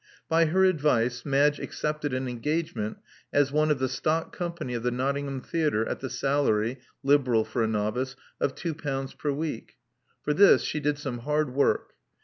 By her advice, Madge accepted an engagement as one of the stock company of the Not tingham theatre at the salary — liberal for a novice— of two pounds per week. For this she did some hard work.